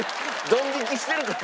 ドン引きしてるから。